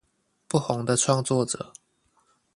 不紅的創作者